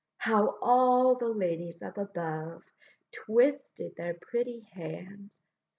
How all the ladies up above Twisted their pretty hands!